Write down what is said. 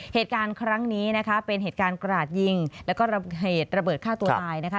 เหตุการณ์ครั้งนี้นะคะเป็นเหตุการณ์กราดยิงแล้วก็เหตุระเบิดฆ่าตัวตายนะคะ